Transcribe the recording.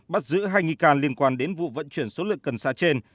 bắt giữ hai nghi can liên quan đến vụ vận chuyển số lượng cần xa trên